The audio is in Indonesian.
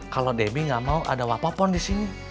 kalau debbie ga mau ada wapapun disini